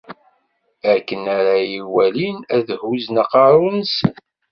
Akken ara iyi-walin, ad huzzen aqerru-nsen.